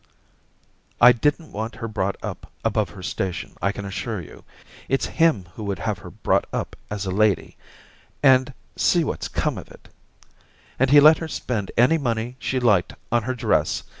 I didn't want her brought up above her station, I can assure you. It's him who would have her brought up as a lady ; and see what's come of it ! And he let her spend any money she liked on her dress.